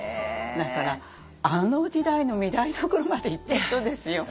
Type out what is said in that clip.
だからあの時代の御台所までいった人ですよ。